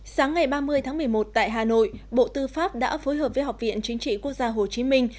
sáng ngày ba mươi tháng một mươi một tại hà nội bộ tư pháp đã phối hợp với học viện chính trị quốc gia hồ chí minh